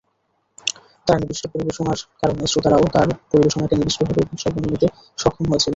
তাঁর নিবিষ্ট পরিবেশনার কারণে শ্রোতারাও তাঁর পরিবেশনাকে নিবিষ্টভাবে শ্রবণে নিতে সক্ষম হয়েছিলেন।